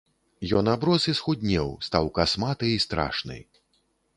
Ён аброс і схуднеў, стаў касматы і страшны.